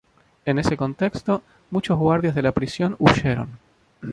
En ese contexto, muchos guardias de la prisión huyeron.